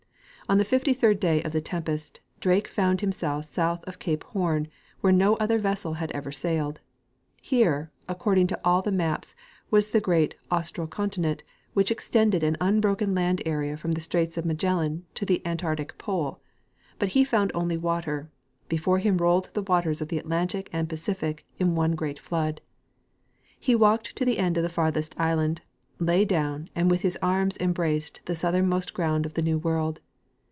On the fifty third day of the tempest, Drake found himself south of cape Horn, where no other vessel had ever sailed. Here, according to all the maps, was the great Austral continent, which extended an unbroken land area from the straits of Ma gellan to the antarctic pole ; but he found only water — before him rolled the waters of the Atlantic and Pacific in one great flood. He walked to the end of the farthest island, lay down, and with his arms embraced the southernmost ground of the new world.